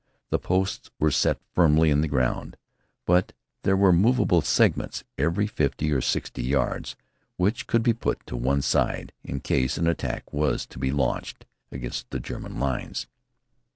The posts were set firmly in the ground, but there were movable segments, every fifty or sixty yards, which could be put to one side in case an attack was to be launched against the German lines.